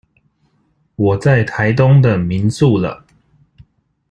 我在台東的民宿了